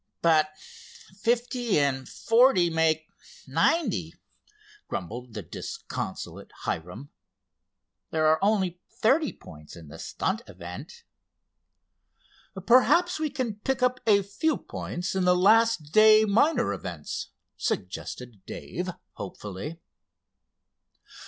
"But fifty and forty make ninety," grumbled the disconsolate Hiram. "There are only thirty points in the stunt event." "Perhaps we can pick up a few points in the last day minor events," suggested Dave, hopefully.